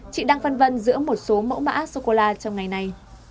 chị đang phân vân giữa một số mẫu mã sô cô la trong ngày này